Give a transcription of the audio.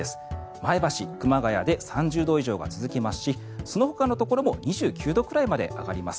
前橋、熊谷で３０度以上が続きますしそのほかのところも２９度くらいまで上がります。